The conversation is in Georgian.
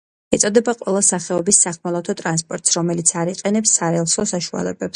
ეწოდება ყველა სახეობის სახმელეთო ტრანსპორტს, რომელიც არ იყენებს სარელსო საშუალებებს.